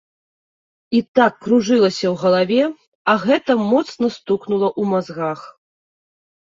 І так кружылася ў галаве, а гэта моцна стукнула ў мазгах.